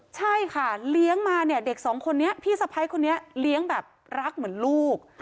ใช่ค่ะเลี้ยงมาเนี่ยเด็กสองคนนี้พี่สะพ้ายคนนี้เลี้ยงแบบรักเหมือนลูก